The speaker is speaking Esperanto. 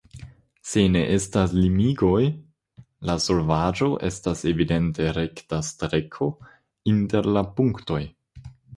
Se ne estas limigoj, la solvaĵo estas evidente rekta streko inter la punktoj.